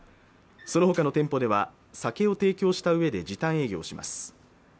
そのほかの店舗では酒を提供した上で時短営業します